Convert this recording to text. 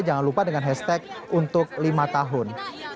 jangan lupa dengan hashtag untuk lima tahun